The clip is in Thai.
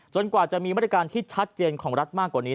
กว่าจะมีมาตรการที่ชัดเจนของรัฐมากกว่านี้